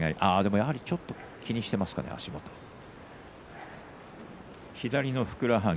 やはりちょっと気にしていますかね足元の方ですね。